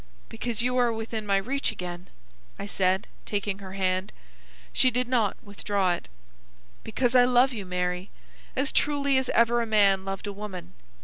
"Because you are within my reach again," I said, taking her hand. She did not withdraw it. "Because I love you, Mary, as truly as ever a man loved a woman.